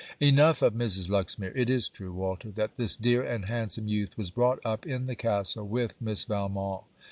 Enough of Mrs. Luxmere. It is true, Walter, that this dear and handsome youth was brought up in the castle with Miss Valmont.